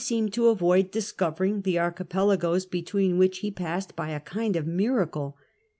d to avoid discovering the archipelagoes between which he passed by a kind of miracle.